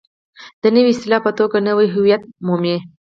د نوې اصطلاح په توګه نوی هویت مومي.